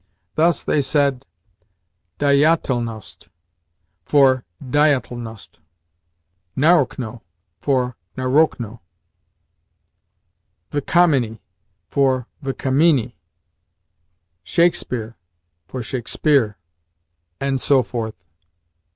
Thus they said dieYATelnost for DIEyatelnost, NARochno for naROChno, v'KAMinie for v'kaMINie, SHAKespeare for ShakesPEARe, and so forth.